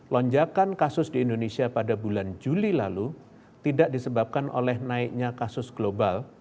lonjakan kasus di indonesia pada bulan juli lalu tidak disebabkan oleh naiknya kasus global